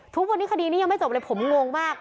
ทุกวันนี้คดีนี้ยังไม่จบเลยผมงงมาก